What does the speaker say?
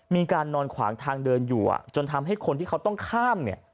มีการนอนขวางทางเดินอยู่จนทำให้คนที่เขาต้องข้ามเนี่ย